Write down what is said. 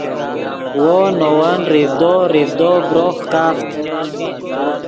وو نے ون ریڤدو ریڤدو بروخ کافت